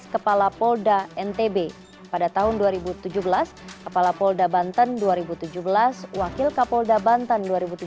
kepala polda ntb pada tahun dua ribu tujuh belas kepala polda banten dua ribu tujuh belas wakil kapolda banten dua ribu tujuh belas